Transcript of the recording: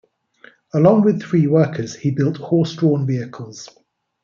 Along with three workers, he built horse-drawn vehicles.